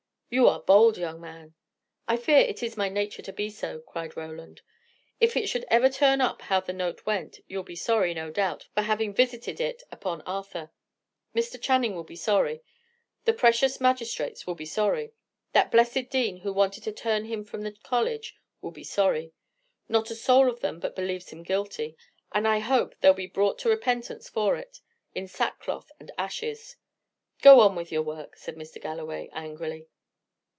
"You are bold, young man." "I fear it is my nature to be so," cried Roland. "If it should ever turn up how the note went, you'll be sorry, no doubt, for having visited it upon Arthur. Mr. Channing will be sorry; the precious magistrates will be sorry; that blessed dean, who wanted to turn him from the college, will be sorry. Not a soul of them but believes him guilty; and I hope they'll be brought to repentance for it, in sackcloth and ashes." "Go on with your work," said Mr. Galloway, angrily.